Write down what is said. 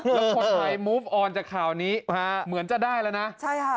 แล้วคนไทยมุฟออนจากข่าวนี้เหมือนจะได้แล้วนะใช่ค่ะ